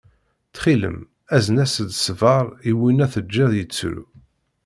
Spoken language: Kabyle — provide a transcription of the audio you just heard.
Ttxil-m azen-as-d ṣṣber i winna teǧǧiḍ yettru.